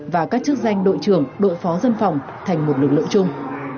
và các chức danh đội trưởng đội phó dân phòng thành một lực lượng chung